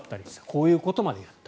こういうことまでやった。